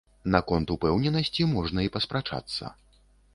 Наконт упэўненасці можна і паспрачацца.